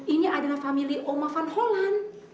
ini adalah family oma van hollen